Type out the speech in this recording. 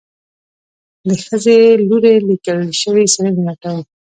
د خځې لوري ليکل شوي څېړنې لټوم